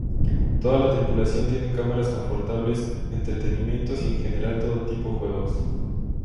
Toda la tripulación tiene cámaras confortables, entretenimientos y en general todo tipo juegos.